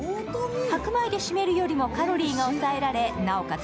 白米で締めるよりもカロリーが抑えられ、なおかつ